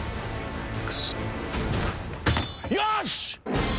よし！